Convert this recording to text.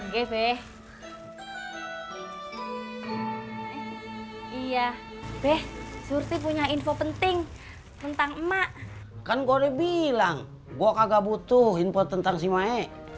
gb iya deh surti punya info penting tentang emak kan gue bilang gua kagak butuh info tentang si maek